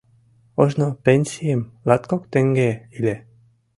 Ожно пенсием латкок теҥге ыле.